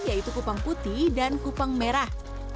yaitu kupang putih dan kupang merah